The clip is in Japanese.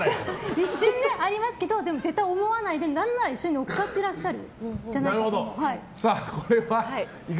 一瞬ね、ありますけど絶対思わないで何なら一緒にのっかってらっしゃるんじゃないか。